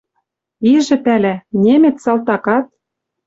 Ижӹ пӓла: немец салтакат —